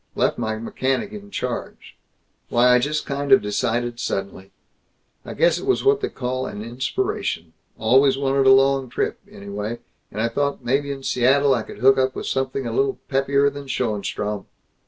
Left my mechanic in charge. Why, I just kind of decided suddenly. I guess it was what they call an inspiration. Always wanted a long trip, anyway, and I thought maybe in Seattle I could hook up with something a little peppier than Schoenstrom.